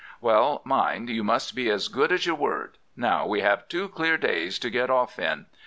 "'Well, mind, you must be as good as your word. Now we have two clear days to get off in.